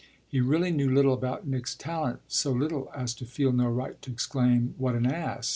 He really knew little about Nick's talent so little as to feel no right to exclaim "What an ass!"